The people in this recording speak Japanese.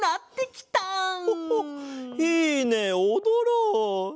ホホッいいねおどろう！